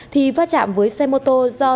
thì phát trạm với xe mô tô do